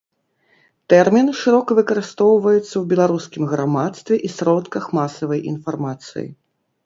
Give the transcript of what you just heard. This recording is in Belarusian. Тэрмін шырока выкарыстоўваецца ў беларускім грамадстве і сродках масавай інфармацыі.